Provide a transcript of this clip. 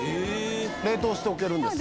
冷凍しておけるんです。